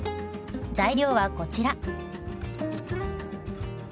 材料はこちら。